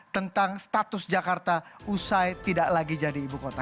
tentang status jakarta usai tidak lagi jadi ibu kota